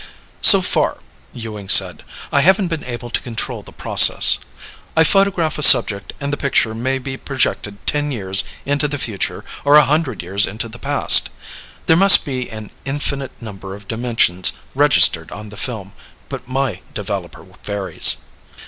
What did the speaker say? "So far," Ewing said, "I haven't been able to control the process. I photograph a subject and the picture may be projected ten years into the future or a hundred years into the past. There must be an infinite number of dimensions registered on the film, but my developer varies."